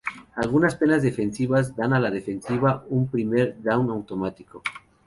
Algunas penas defensivas dan a la ofensiva un primer down automático.